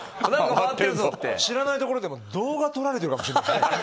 知らないところで動画を撮られてるかもしれない。